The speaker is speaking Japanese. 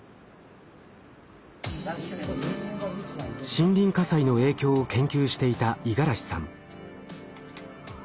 森林火災の影響を研究していた五十嵐さん。